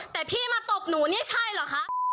แต่พี่มาตบหนูนี่ใช่เหรอคะ